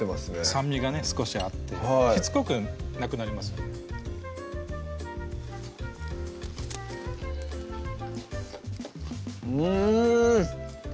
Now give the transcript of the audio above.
酸味がね少しあってしつこくなくなりますよねうん！